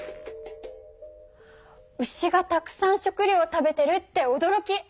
牛がたくさん食料食べてるっておどろき！